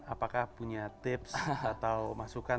apakah punya tips atau masukan